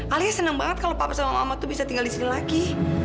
alia seneng banget kalau papa sama mama bisa tinggal di sini lagi